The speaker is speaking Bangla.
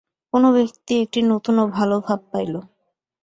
কোন ব্যক্তি একটি নূতন ও ভাল ভাব পাইল।